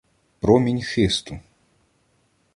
Промінь хисту.